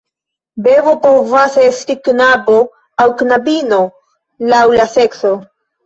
Bebo povas esti knabo aŭ knabino, laŭ la sekso.